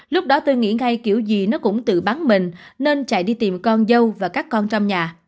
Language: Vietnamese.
lúc đó tôi nghĩ ngay kiểu gì nó cũng tự bắn mình nên chạy đi tìm con dâu và các con trong nhà